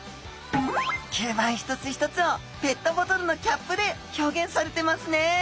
吸盤一つ一つをペットボトルのキャップで表現されてますね。